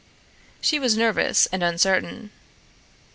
She was nervous and uncertain.